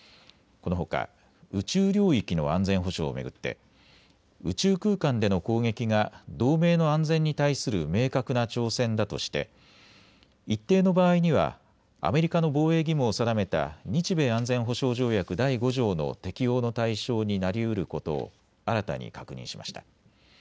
このほか宇宙領域の安全保障を巡って宇宙空間での攻撃が同盟の安全に対する明確な挑戦だとして一定の場合にはアメリカの防衛義務を定めた日米安全保障条約第５条の適用の対象になりうることを新たに確認しました。